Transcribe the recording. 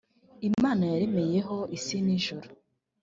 imana yaremeyeho isi n ijuru